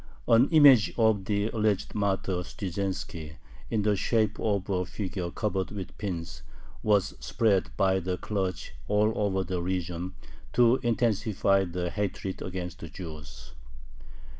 An image of the alleged martyr Studzienski, in the shape of a figure covered with pins, was spread by the clergy all over the region, to intensify the hatred against the Jews.